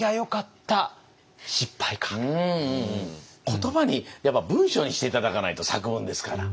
言葉にやっぱ文章にして頂かないと作文ですから。